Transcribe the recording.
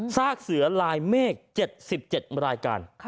ซากเสือลายเมฆ๗๗รายการ